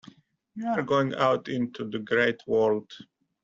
You are going out into the great world.